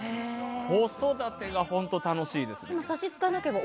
子育てが本当、楽しいです。